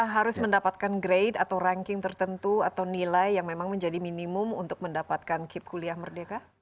harus mendapatkan grade atau ranking tertentu atau nilai yang memang menjadi minimum untuk mendapatkan kip kuliah merdeka